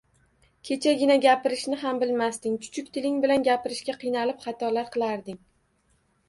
Kechagina gapirishni ham bilmasding, chuchuk tiling bilan gapirishga qiynalib xatolar qilarding